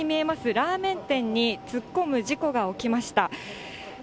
ラーメン店に突っ込む事故が起きました。